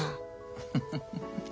フフフフフ。